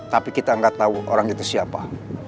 tapi kita nggak tahu orang itu siapa